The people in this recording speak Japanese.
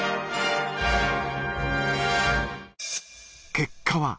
結果は。